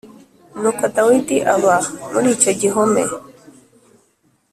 Nuko Dawidi aba muri icyo gihome